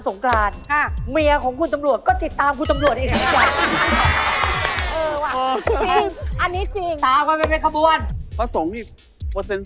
ระหว่างที่คุณตำรวจติดตามนางทรงกรรณ